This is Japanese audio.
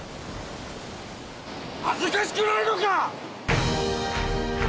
恥ずかしくないのか！